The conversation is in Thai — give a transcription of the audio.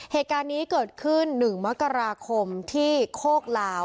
เหตุการณ์นี้เกิดขึ้น๑มกราคมที่โคกลาว